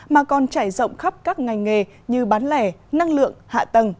mà còn chảy rộng khắp các ngành nghề như bán lẻ năng lượng hạ tầng